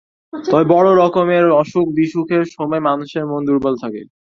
তবে বড় রকমের অসুখ-বিসুখের সময় মানুষের মন দুর্বল থাকে।